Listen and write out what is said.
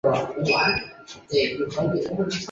多花茶藨子为虎耳草科茶藨子属下的一个种。